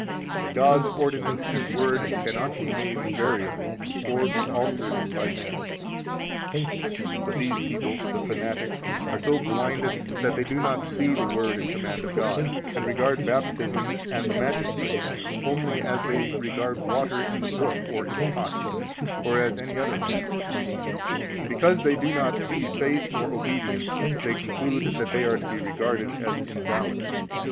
For God's ordinance and Word cannot be made variable or be altered by men. 61 But these people, the fanatics, are so blinded that they do not see the Word and command of God, and regard Baptism and the magistrates only as they regard water in the brook or in pots, or as any other man; and because they do not see faith nor obedience, they conclude that they are to be regarded as invalid.